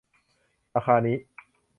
ราคานี้